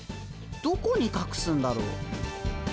どこにかくすんだろう？